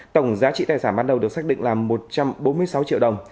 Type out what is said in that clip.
tổng giá trị tài sản ban đầu được xác định là một trăm bốn mươi sáu triệu đồng